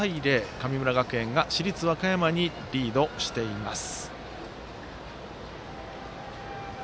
神村学園が市立和歌山にリードしています。